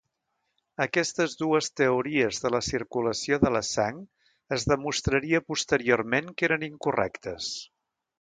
Aquestes dues teories de la circulació de la sang es demostraria posteriorment que eren incorrectes.